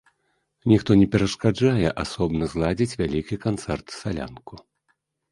Ніхто не перашкаджае асобна зладзіць вялікі канцэрт-салянку.